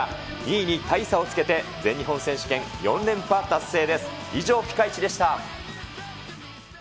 ２位に大差をつけて、全日本選手権４連覇達成